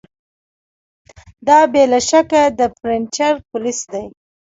دا بې له شکه د فرنیچر پولیس دي